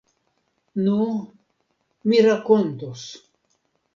Nu, mi rakontos.